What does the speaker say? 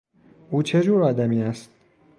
او چه جور آدمی است؟